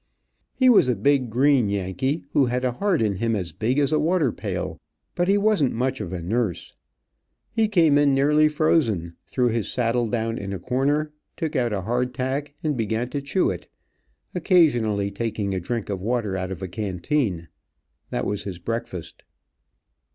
He was a big green Yankee, who had a heart in him as big as a water pail, but he wasn't much, of a nurse. He came in nearly frozen, threw his saddle down in a corner, took out a hard tack and began to chew it, occasionally taking a drink of water out of a canteen. That was his breakfast.